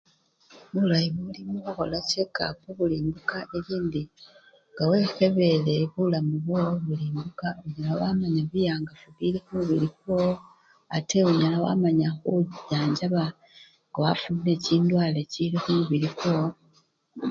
Bulayi bubuli mukhukhola chekap buli mbuka elindi nga wekhebele bulamu bwowo bulimbuka onyala wamanya biyangafu bili khumubili kwowo ate onyala wamanya khuchanjaba nga wafunile chindwale chili khumubili kwowo.